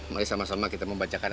mari sama sama kita membacakan